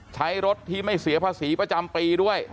ใช้รถที่ไม่เสียภาษีประจำปีด้วย